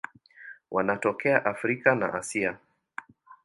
Wanatokea Afrika na Asia.